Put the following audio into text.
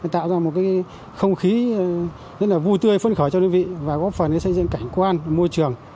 tạo ra một không khí vui tươi phân khởi cho nhân vị và góp phần xây dựng cảnh quan môi trường